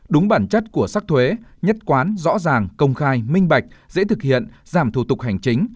đúng bản chất của sắc thuế nhất quán rõ ràng công khai minh bạch dễ thực hiện giảm thủ tục hành chính